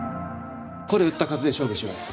これ売った数で勝負しようや。